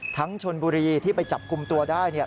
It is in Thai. ทั้งชนบุรีที่ไปจับกลุ่มตัวได้